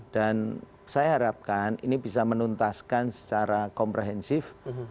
dan saya harapkan ini bisa menuntaskan secara komprehensif